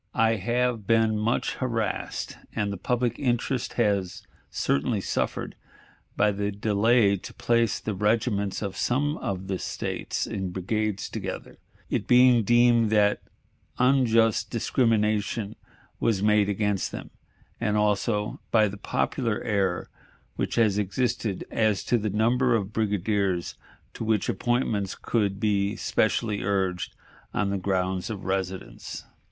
I have been much harassed, and the public interest has certainly suffered, by the delay to place the regiments of some of the States in brigades together, it being deemed that unjust discrimination was made against them, and also by the popular error which has existed as to the number of brigadiers to which appointments could be specially urged on the grounds of residence.